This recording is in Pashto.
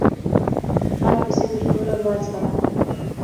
غل پسې تر کوره مه ځغلهٔ